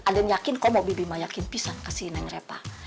aden yakin kok mau bibi mah yakin pisan ke si neng repah